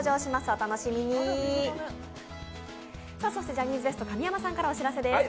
ジャニーズＷＥＳＴ神山さんからお知らせです。